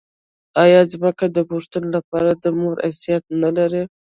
آیا ځمکه د پښتون لپاره د مور حیثیت نلري؟